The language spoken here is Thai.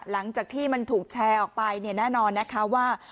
หลังจากที่มันถูกแชร์ออกไปเนี่ยแน่นอนนะคะว่า